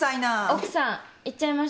奥さん行っちゃいましたけど。